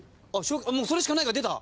それしかないが出た？